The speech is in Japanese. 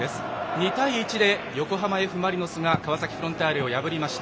２対１で横浜Ｆ・マリノスが川崎フロンターレを破りました。